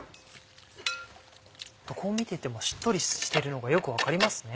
こう見ててもしっとりしてるのがよく分かりますね。